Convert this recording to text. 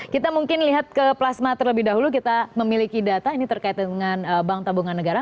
kita mungkin lihat ke plasma terlebih dahulu kita memiliki data ini terkait dengan bank tabungan negara